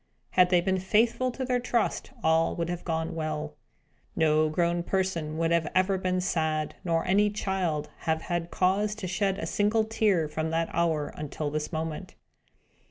Had they been faithful to their trust, all would have gone well. No grown person would ever have been sad, nor any child have had cause to shed a single tear, from that hour until this moment.